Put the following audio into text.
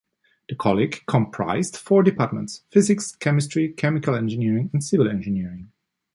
The college comprised four departments: physics, chemistry, chemical engineering, and civil engineering.